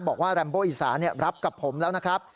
แรมโบอีสานับกับผมแล้วนะครับ